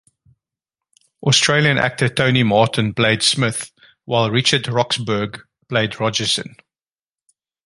Australian actor Tony Martin played Smith, while Richard Roxburgh played Rogerson.